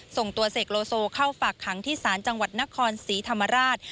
ส่งตัวเสกโลโซเข้าฝากขังที่ศาลจังหวัดนครศรีธรรมราช